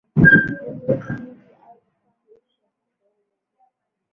vizuizi hivi au vifaa hivi kama clement